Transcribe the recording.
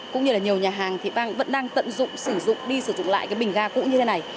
cũng như là nhiều nhà hàng thì vẫn đang tận dụng sử dụng đi sử dụng lại cái bình ga cũ như thế này